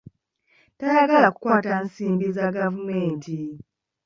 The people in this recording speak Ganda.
Tayagala kukwata nsimbi za gavumenti.